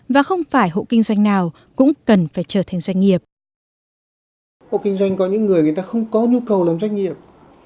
và không phải hộ kinh doanh nào cũng cần phải trở thành doanh nghiệp